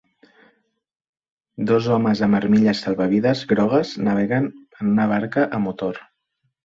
Dos homes amb armilles salvavides grogues naveguen en una barca a motor.